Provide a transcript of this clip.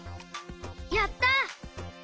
やった！